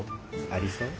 ありそう？